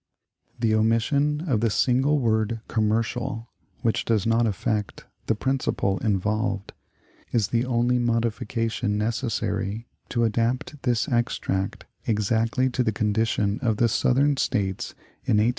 The omission of the single word "commercial," which does not affect the principle involved, is the only modification necessary to adapt this extract exactly to the condition of the Southern States in 1860 '61.